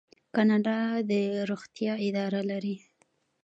کاناډا د روغتیا اداره لري.